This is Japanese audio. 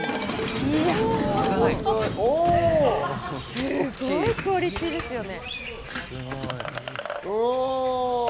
すごいクオリティーですよね。